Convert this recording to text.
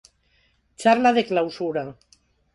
Charla de clausura.